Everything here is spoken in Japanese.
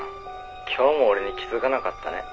今日も俺に気づかなかったね」